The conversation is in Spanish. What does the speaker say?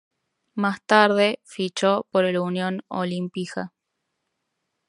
Más tarde fichó por el Union Olimpija.